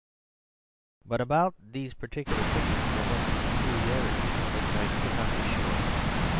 ..... But about these particular figures there was a peculiarity of which I could not be sure.